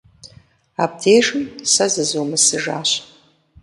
Абдежым сэ зызумысыжащ.